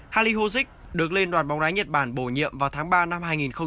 hali hozik được lên đoàn bóng đáy nhật bản bổ nhiệm vào tháng ba năm hai nghìn một mươi năm